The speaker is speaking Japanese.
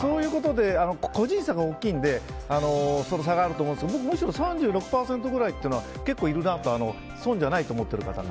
個人差が大きいのでその差があると思うんですけど僕むしろ３６％ぐらいって結構いるなと損じゃないと思っている方が。